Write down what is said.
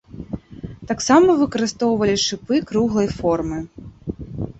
Таксама выкарыстоўвалі шыпы круглай формы.